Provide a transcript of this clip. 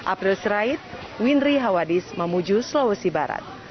april sirait windri hawadis mamuju sulawesi barat